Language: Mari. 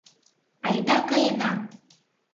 Айда каена!..